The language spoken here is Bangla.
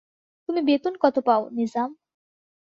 তুমি বেতন কত পাও নিজাম?